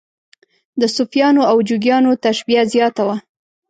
د صوفیانو او جوګیانو تشبیه زیاته وه.